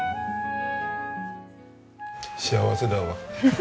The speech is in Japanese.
幸せだわ。